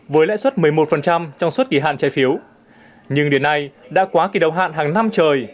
với lãi suất một mươi một trong suốt kỳ hạn trái phiếu nhưng đến nay đã quá kỳ đầu hạn hàng năm trời